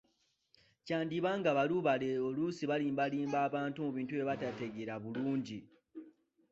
Kyandiba ng’abalubaale oluusi balimbalimba abantu mu bintu bye batategeera bulungi.